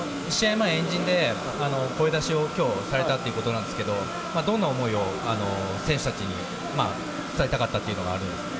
前、円陣で声出しをきょうされたということなんですけど、どんな思いを選手たちに伝えたかったっていうのがあるんですか。